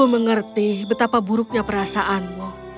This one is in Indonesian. mengerti betapa buruknya perasaanmu